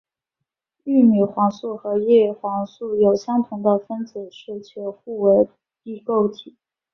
玉米黄素和叶黄素有相同的分子式且互为异构体。